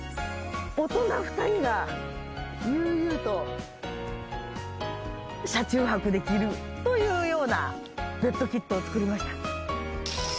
悠々と車中泊できるというようなベッドキットを作りました。